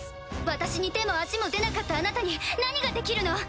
私に手も足も出なかったあなたに何ができるの！？